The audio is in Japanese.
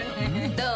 どう？